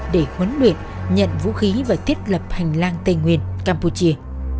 để huấn luyện nhận vũ khí và thiết lập hành lang tây nguyên campuchia